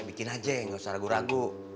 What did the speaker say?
bikin aja ya nggak usah ragu ragu